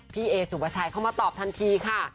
พี่เอสุปชัยเข้ามาตอบทันทีค่ะ